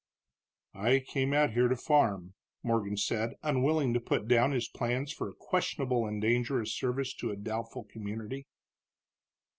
"I came out here to farm," Morgan said, unwilling to put down his plans for a questionable and dangerous service to a doubtful community.